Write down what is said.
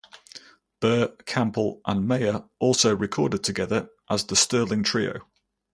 Burr, Campbell and Meyer also recorded together as the Sterling Trio.